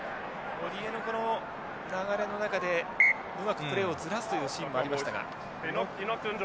堀江もこの流れの中でうまくプレーをずらすというシーンもありましたが。